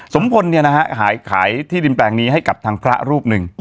สมพลเนี่ยนะฮะขายที่ดินแปลงนี้ให้กับทางพระรูปหนึ่ง